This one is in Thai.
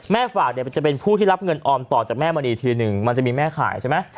ฝากเนี่ยจะเป็นผู้ที่รับเงินออมต่อจากแม่มณีทีนึงมันจะมีแม่ขายใช่ไหม